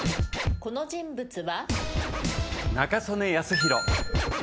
この人物は？